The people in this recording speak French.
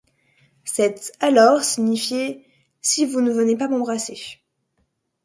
Cet « alors » signifiait : si vous ne venez pas m’embrasser.